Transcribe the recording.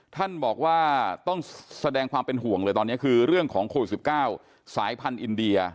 ท่านบอกว่าต้องแสดงความเป็นห่วงเลยตอนนี้คือเรื่องของโควิด๑๙สายพันธุ์อินเดีย